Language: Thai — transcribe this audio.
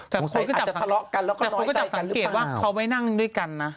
แต่คนก็จับเห็นศักดิ์ว่าเขาไว้นั่งด้วยกันนะ